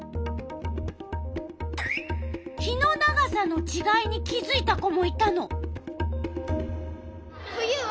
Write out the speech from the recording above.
日の長さのちがいに気づいた子もいたの。